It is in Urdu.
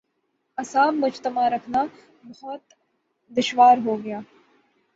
اعصاب مجتمع رکھنا بہت دشوار ہو گا۔